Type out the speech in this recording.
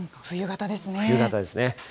冬型ですね。